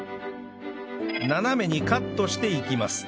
斜めにカットしていきます